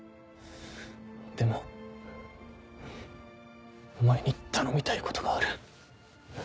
でもお前に頼みたいことがある。